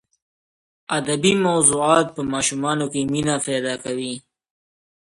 ادبي موضوعات په ماشومانو کې مینه پیدا کوي.